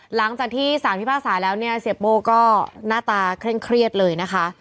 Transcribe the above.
หลังจากที่สารพิพากษาแล้วเนี่ยเสียโบ้ก็หน้าตาเคร่งเครียดเลยนะคะ